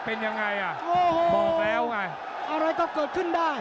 เป็นยังไงอะโอ้โหอะไรก็เกิดขึ้นได้